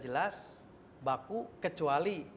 jelas baku kecuali